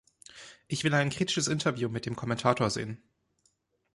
Ich will ein kritisches Interview mit dem Kommentator sehen.